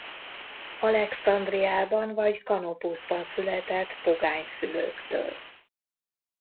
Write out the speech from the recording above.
Alexandriában vagy Canopusban született pogány szülőktől.